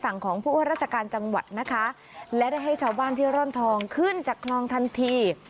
ของผู้ว่าราชการจังหวัดนะคะและได้ให้ชาวบ้านที่ร่อนทองขึ้นจากคลองทันที